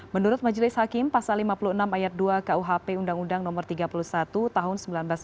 menurut majelis hakim pasal lima puluh enam ayat dua kuhp undang undang no tiga puluh satu tahun seribu sembilan ratus sembilan puluh